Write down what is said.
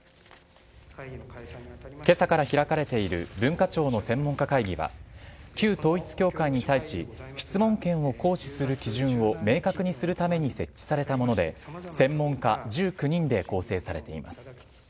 けさから開かれている文化庁の専門家会議は旧統一教会に対し、質問権を行使する基準を明確にするために設置されたもので、専門家１９人で構成されています。